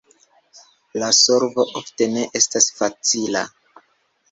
La solvo ofte ne estas facila.